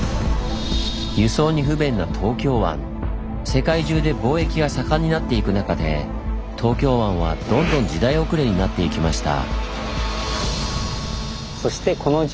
世界中で貿易が盛んになっていく中で東京湾はどんどん時代遅れになっていきました。